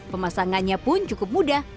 pemasangannya pun cukup mudah